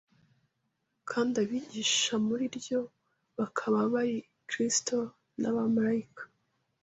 kandi abigisha muri ryo bakaba bari Kristo n’abamarayika